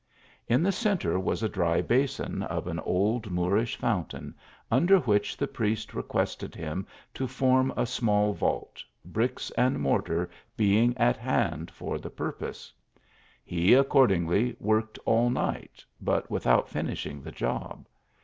80 THE ALHAMBRA. In the centre was a dry basin of an old Moorish fountain, under which the priest requested him to form a small vault, bricks and mortar being at hand for the purpose. He accordingly worked all night, but without finishing the job.